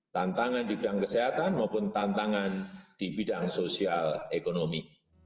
tantangan di bidang kesehatan maupun tantangan di bidang sosial ekonomi